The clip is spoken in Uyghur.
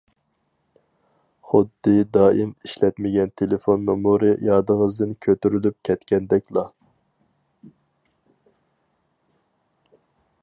خۇددى دائىم ئىشلەتمىگەن تېلېفون نومۇرى يادىڭىزدىن كۆتۈرۈلۈپ كەتكەندەكلا.